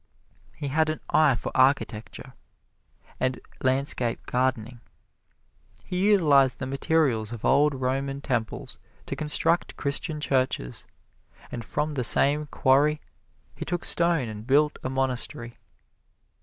He had an eye for architecture and landscape gardening. He utilized the materials of old Roman temples to construct Christian churches, and from the same quarry he took stone and built a monastery.